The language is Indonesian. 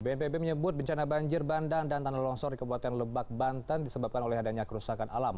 bnpb menyebut bencana banjir bandang dan tanah longsor di kabupaten lebak banten disebabkan oleh adanya kerusakan alam